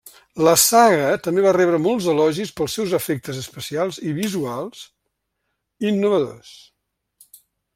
La saga també va rebre molts elogis pels seus efectes especials i visuals innovadors.